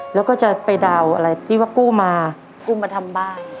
แล้วก็จะไปดาวน์อะไรที่ว่ากู้มากู้มาทำบ้าน